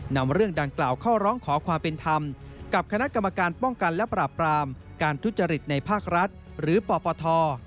นำเรื่องดังกล่าวเข้าร้องขอความเป็นธรรมกับคณะกรรมการป้องกันและปราบปรามการทุจริตในภาครัฐหรือปปท